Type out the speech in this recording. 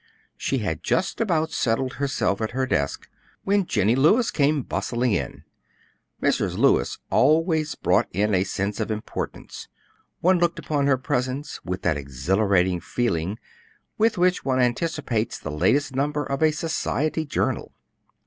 She had just about settled herself at her desk when Jennie Lewis came bustling in. Mrs. Lewis always brought in a sense of importance; one looked upon her presence with that exhilarating feeling with which one anticipates the latest number of a society journal.